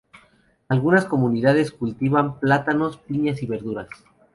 Algunas comunidades cultivan plátanos, piñas y verduras.